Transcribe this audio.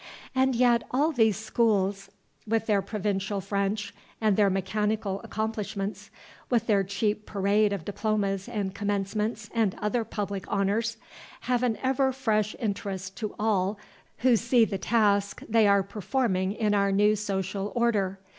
And yet all these schools, with their provincial French and their mechanical accomplishments, with their cheap parade of diplomas and commencements and other public honors, have an ever fresh interest to all who see the task they are performing in our new social order.